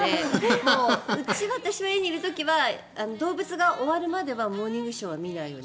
もううちは、私が家にいる時は動物が終わるまでは「モーニングショー」は見ないように。